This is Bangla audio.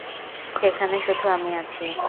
সেখানে শুধু আমি আছি।